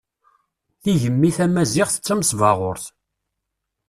Tigemmi tamaziɣt d tamesbaɣurt.